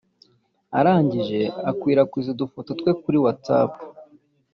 arangije akwirakwiza udufoto twe kuri whatsapp